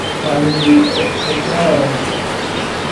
امیراحتشام